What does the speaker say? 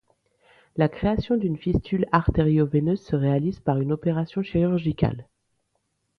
La création d’une fistule artério-veineuse se réalise par une opération chirurgicale.